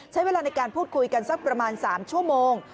ใช้เวลาในการพูดคุยกันสักประมาณ๓ชั่วโมง